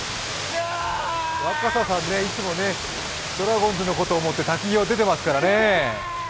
若狭さんいつもドラゴンズのことを思って滝に入っていますから。